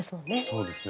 そうですね。